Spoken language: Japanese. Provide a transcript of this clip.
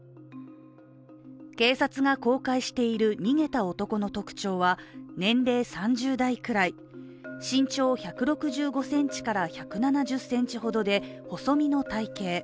警察が公開している逃げた男の特徴は年齢３０代くらい、身長１６５１７０ｃｍほどで細身の体型。